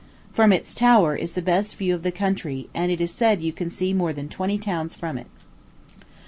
From its tower is the best view of the country; and it is said you can see more than twenty towns from it.